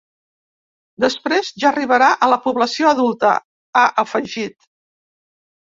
“Després, ja arribarà a la població adulta”, ha afegit.